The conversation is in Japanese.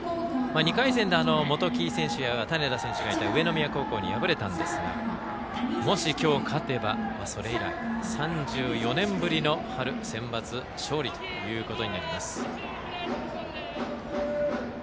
２回戦で、元木選手や種田選手がいた上宮高校に敗れたんですがもし勝てば、それ以来３４年ぶりの春センバツ勝利となります。